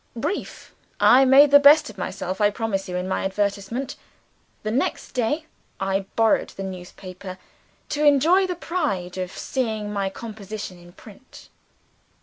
Brief, I made the best of myself, I promise you, in my advertisement. The next day, I borrowed the newspaper, to enjoy the pride of seeing my composition in print.